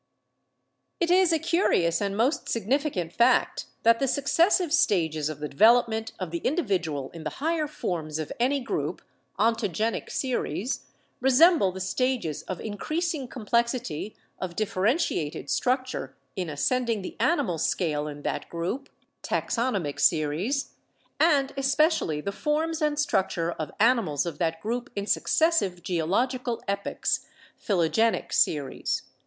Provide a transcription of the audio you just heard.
"It is a curious and most significant fact that the suc cessive stages of the development of the individual in the higher forms of any group (ontogenic series) resemble the stages of increasing complexity of differentiated struc ture in ascending the animal scale in that group (taxo PL. .t: 152 BIOLOGY nomic series), and especially the forms and structure of animals of that group in successive geological epochs (phylogenic series).